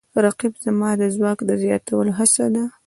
رقیب زما د ځواک د زیاتولو هڅه ده